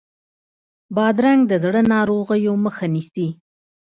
بادرنګ د زړه ناروغیو مخه نیسي.